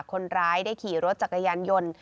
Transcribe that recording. คนร้ายได้ขี่รถจักรยานยนต์